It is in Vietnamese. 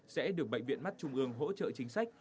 sẽ được bệnh viện mắt trung ương hỗ trợ chính sách